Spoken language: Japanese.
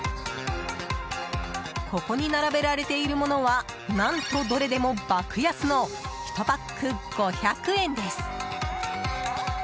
ここに並べられているものは何とどれでも爆安の１パック５００円です。